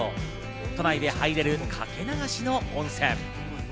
都内で入れるかけ流しの温泉。